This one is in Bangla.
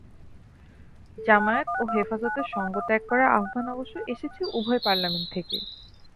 জামায়াত ও হেফাজতের সঙ্গ ত্যাগ করার আহ্বান অবশ্য এসেছে উভয় পার্লামেন্ট থেকেই।